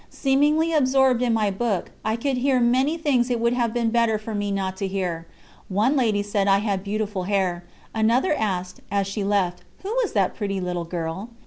Seemingly absorbed in my book, I could hear many things it would have been better for me not to hear. One lady said I had beautiful hair; another asked, as she left, who was that pretty little girl.